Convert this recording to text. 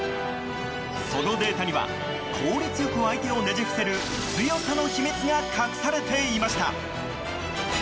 そのデータには効率よく相手をねじふせる強さの秘密が隠されていました。